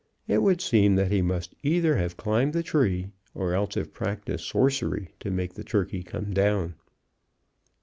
It would seem that he must either have climbed the tree, or else have practiced sorcery to make the turkey come down.